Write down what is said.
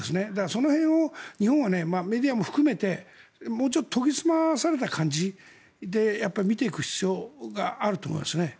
その辺を日本はメディアも含めてもうちょっと研ぎ澄まされた感じで見ていく必要が僕はあると思いますね。